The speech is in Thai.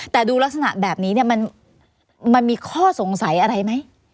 แต่ดูลักษณะแบบนี้เนี่ยมันมีข้อสงสัยอะไรไหม